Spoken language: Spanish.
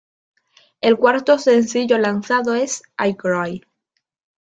El cuarto sencillo lanzado es "I Cry".